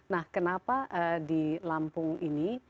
nah kenapa di lampung ini